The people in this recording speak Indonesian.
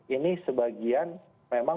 ini sebagian memang punya kesalahan